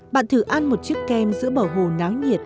bạn thử ăn một chiếc kem giữa bờ hồ náo nhiệt